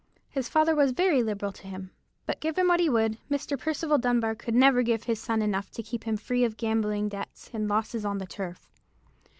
His father was very liberal to him; but give him what he would, Mr. Percival Dunbar could never give his son enough to keep him free of gambling debts and losses on the turf.